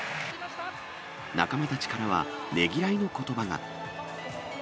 仲間たちからはねぎらいのことばが。